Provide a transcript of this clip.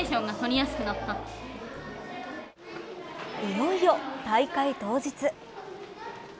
いよいよ大会当日。